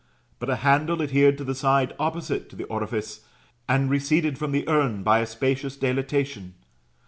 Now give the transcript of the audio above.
^^ But a handle adhered to the side opposite to the orifice, and receded from the urn by a specious dilatation.